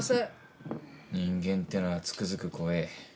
人間ってのはつくづく怖え。